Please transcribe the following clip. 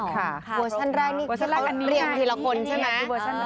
ค่ะเวอร์ชั่น๑เขาเรียงทีละคนใช่ไม๊